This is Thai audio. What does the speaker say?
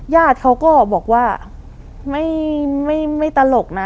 ญาติเขาก็บอกว่าไม่ตลกนะ